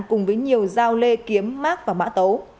cùng với nhiều dao lê kiếm mác và mã tấu